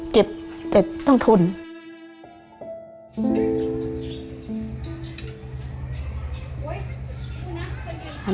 เก็บแต่ต้องทน